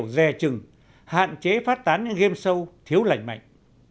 rè trừng hạn chế phát tán những game show thiếu lành mạnh